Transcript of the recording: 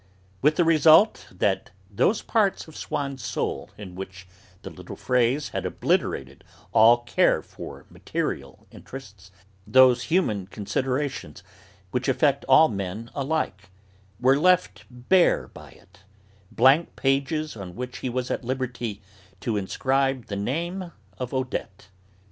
With the result that those parts of Swann's soul in which the little phrase had obliterated all care for material interests, those human considerations which affect all men alike, were left bare by it, blank pages on which he was at liberty to inscribe the name of Odette.